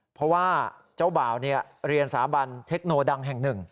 เพราะว่าเจ้าบ่าวเรียนสาบันเทคโนดังแห่งหนึ่ง